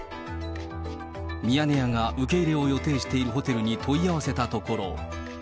ミヤネ屋が受け入れを予定しているホテルに問い合わせたところ。